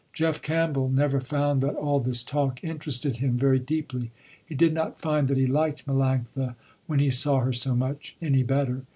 Jeff Campbell never found that all this talk interested him very deeply. He did not find that he liked Melanctha when he saw her so much, any better.